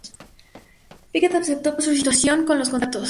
Piquet aceptó por su situación con los contratos.